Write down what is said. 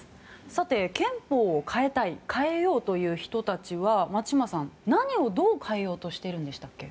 さて、憲法を変えたい変えようという人たちは松嶋さん、何をどう変えようとしているんでしたっけ。